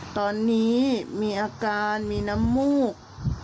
ตอนนี้มีอาการมีน้ำมูก